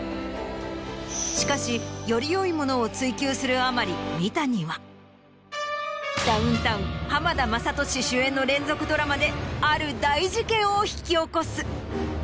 しかしより良いものを追求するあまり三谷はダウンタウン・浜田雅功主演の連続ドラマである大事件を引き起こす。